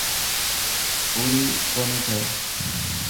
پوري ڪوني ٿي.